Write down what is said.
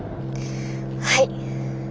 はい。